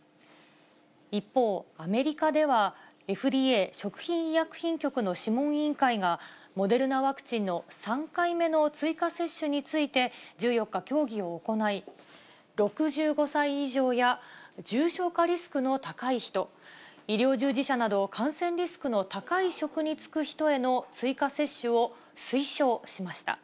一方、アメリカではＦＤＡ・食品医薬品局の諮問委員会が、モデルナワクチンの３回目の追加接種について、１４日、協議を行い、６５歳以上や、重症化リスクの高い人、医療従事者など感染リスクの高い職に就く人への追加接種を推奨しました。